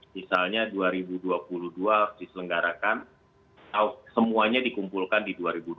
misalnya dua ribu dua puluh dua diselenggarakan semuanya dikumpulkan di dua ribu dua puluh